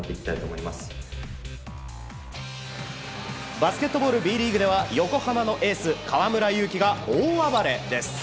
バスケットボールＢリーグでは横浜のエース河村勇輝が大暴れです。